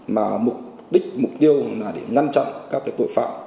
mà mục đích mục tiêu là để ngăn chặn các tội phạm